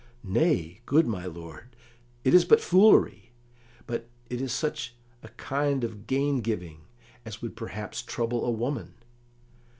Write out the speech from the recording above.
"Nay, good my lord " "It is but foolery; but it is such a kind of gain giving as would perhaps trouble a woman."